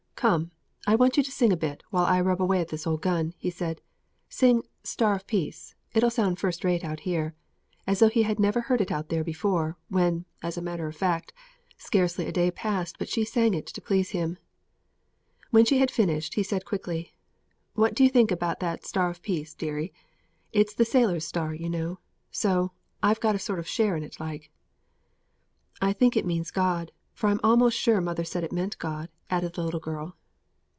"Come, I want you to sing a bit, while I rub away at this old gun," he said. "Sing 'Star of Peace'; it'll sound first rate out here;" as though he had never heard it out there before, when, as a matter of fact, scarcely a day passed but she sang it to please him. When she had finished, he said, quickly: "What do you think about that 'Star of Peace' deary? It's the sailor's star, you know, so I've got a sort of share in it like." "I think it means God. I'm a'most sure mother said it meant God," added the little girl.